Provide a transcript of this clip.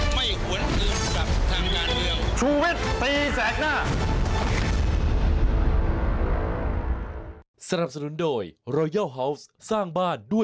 ไม่หวนอื่นกับทางยานเดียว